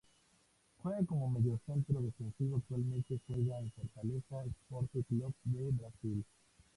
Juega como mediocentro defensivo actualmente juega en Fortaleza Esporte Clube de Brasil.